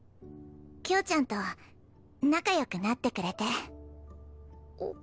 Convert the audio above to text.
京ちゃんと仲良くなってくれて。